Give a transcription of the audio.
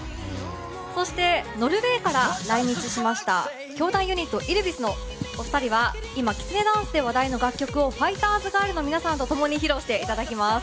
そしてノルウェーから来日しました兄弟ユニットＹｌｖｉｓのお二人は今、「きつねダンス」で話題の楽曲をファイターズガールの皆さんと共に披露していただきます。